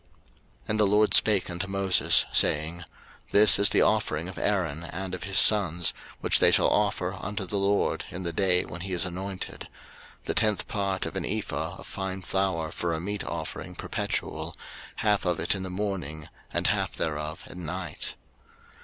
03:006:019 And the LORD spake unto Moses, saying, 03:006:020 This is the offering of Aaron and of his sons, which they shall offer unto the LORD in the day when he is anointed; the tenth part of an ephah of fine flour for a meat offering perpetual, half of it in the morning, and half thereof at night.